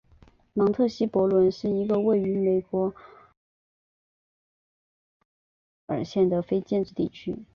芒特希伯伦是一个位于美国阿拉巴马州马歇尔县的非建制地区。